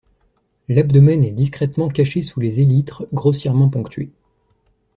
L'abdomen est discrètement caché sous les élytres grossièrement ponctués.